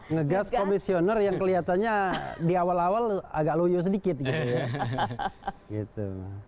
ngegas komisioner yang kelihatannya di awal awal agak loyo sedikit gitu ya